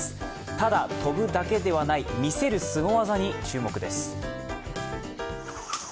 ただ跳ぶだけではない、みせるすご技に注目です。